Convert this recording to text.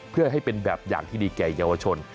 เพื่อให้เป็นแบบอย่างที่ดีแก่เยาวชน